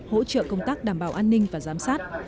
hỗ trợ công tác đảm bảo an ninh và giám sát